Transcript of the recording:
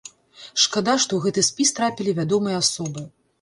Шкада, што ў гэты спіс трапілі вядомыя асобы.